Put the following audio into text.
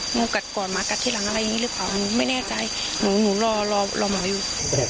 งูกัดก่อนหมากัดที่หลังอะไรอย่างนี้หรือเปล่าหนูไม่แน่ใจหนูหนูรอรอหมออยู่